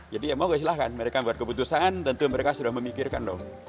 jadi ya mau gak silahkan mereka buat keputusan tentu mereka sudah memikirkan dong